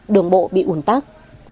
đường bộ bị ủn tắc